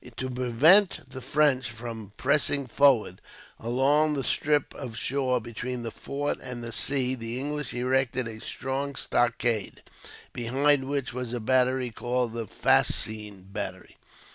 To prevent the French from pressing forward along the strip of shore between the fort and the sea, the English erected a strong stockade, behind which was a battery called the Fascine Battery.